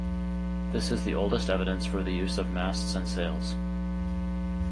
This is the oldest evidence for the use of masts and sails.